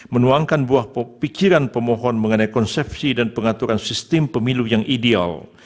menuangkan buah pikiran pemohon mengenai konsepsi dan pengaturan sistem pemilu yang ideal